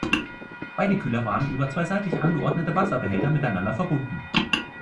Beide Kühler waren über zwei seitlich angeordnete Wasserbehälter miteinander verbunden.